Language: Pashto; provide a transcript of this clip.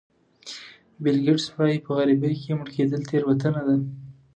بیل ګېټس وایي په غریبۍ کې مړ کېدل تېروتنه ده.